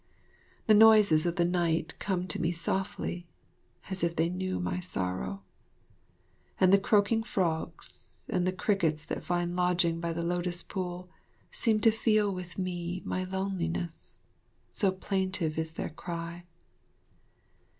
The noises of the night come to me softly, as if they knew my sorrow, and the croaking frogs and the crickets that find lodging by the lotus pool seem to feel with me my loneliness, so plaintive is their cry.